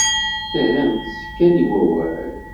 Terramt-tt kan i wawal.